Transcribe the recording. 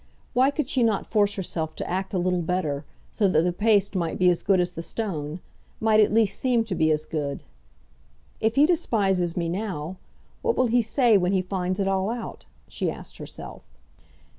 Why could she not force herself to act a little better, so that the paste might be as good as the stone, might at least seem to be as good? "If he despises me now, what will he say when he finds it all out?" she asked herself.